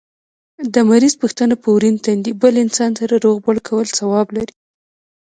د مریض پوښتنه په ورين تندي بل انسان سره روغبړ کول ثواب لري